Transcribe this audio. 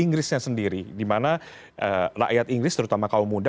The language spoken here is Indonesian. inggrisnya sendiri di mana rakyat inggris terutama kaum muda